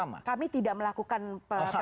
saya tidak punya kami tidak melakukan penelitian